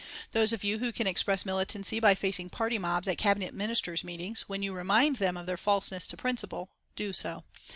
Those of you who can express militancy by facing party mobs at Cabinet Ministers' meetings, when you remind them of their falseness to principle do so.